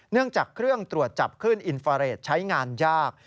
จากเครื่องตรวจจับขึ้นอินฟาเรทใช้งานยาก